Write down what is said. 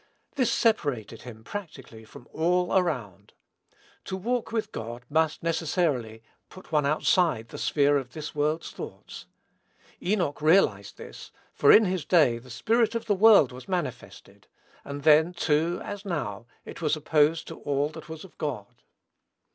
This separated him, practically, from all around. To walk with God must, necessarily, put one outside the sphere of this world's thoughts. Enoch realized this; for, in his day, the spirit of the world was manifested; and then, too, as now, it was opposed to all that was of God.